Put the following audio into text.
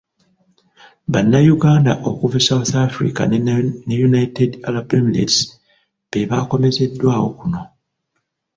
Bannayuganda okuva e South Africa ne United Arab Emirates be baakomezeddwawo kuno.